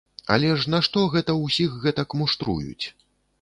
Але ж нашто гэта ўсіх гэтак муштруюць?